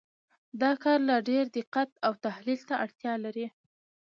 دا کار لا ډېر دقت او تحلیل ته اړتیا لري.